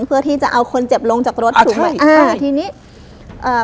เพื่อที่จะเอาคนเจ็บลงจากรถถูกไหมอ่าทีนี้อ่า